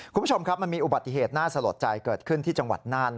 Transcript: คุณผู้ชมครับมันมีอุบัติเหตุน่าสลดใจเกิดขึ้นที่จังหวัดน่าน